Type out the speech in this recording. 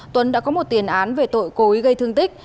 tuấn đã có một tiền án về tội cối gây thương tích